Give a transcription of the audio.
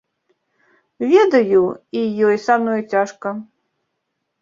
Ведаю, і ёй са мной цяжка.